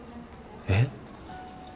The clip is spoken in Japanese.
えっ？